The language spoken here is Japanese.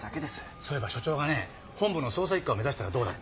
そういえば署長がね本部の捜査一課を目指したらどうだって。